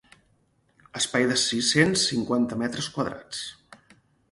Espai de sis-cents cinquanta-cinc metres quadrats.